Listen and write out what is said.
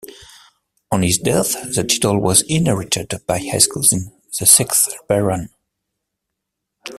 On his death the title was inherited by his cousin, the sixth Baron.